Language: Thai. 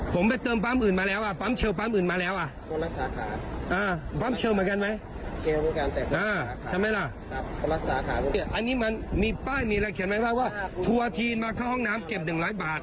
เข็นไว้ว่าถุงโจซีนมาเข้าห้องน้ำเก็บ๑๐๐บาท